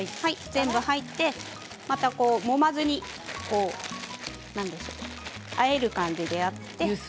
全部入って、またもまずにあえる感じでやって。